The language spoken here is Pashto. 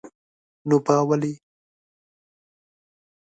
نو با ولي?